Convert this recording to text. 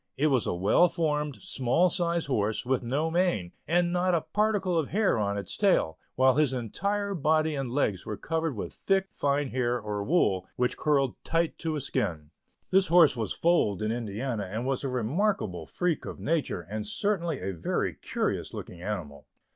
It was a well formed, small sized horse, with no mane, and not a particle of hair on his tail, while his entire body and legs were covered with thick, fine hair or wool, which curled tight to his skin. This horse was foaled in Indiana, and was a remarkable freak of nature, and certainly a very curious looking animal.